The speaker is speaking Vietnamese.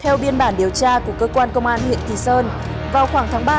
theo biên bản điều tra của cơ quan công an huyện kỳ sơn vào khoảng tháng ba năm hai nghìn một mươi bốn